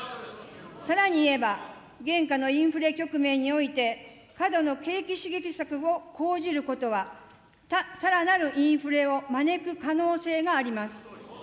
さらに言えば、現下のインフレ局面において、過度の景気刺激策を講じることは、さらなるインフレを招く可能性があります。